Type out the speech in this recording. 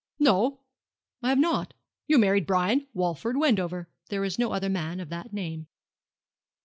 'No, I have not. You married Brian Walford Wendover. There is no other man of that name.'